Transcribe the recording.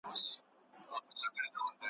که دذهن خاموشي ځانته اختیار کړي